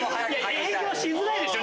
営業しづらいでしょ！